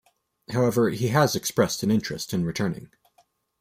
However, he has expressed an interest in returning.